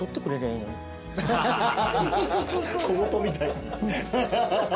小言みたいに。